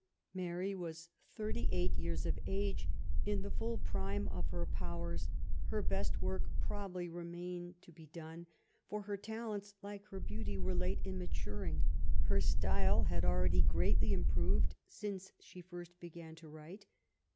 Mary was thirty eight years of age, in the full prime of her powers. Her best work probably remained to be done ; for her talents, like her beauty, were late in maturing. Her style had already greatly improved since she first began to write.